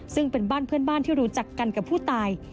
ซึ่งเป็นบ้านเพื่อนบ้านที่รู้จักกันกับผู้ตาย